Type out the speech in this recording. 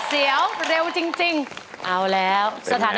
คนโสดให้โทษมา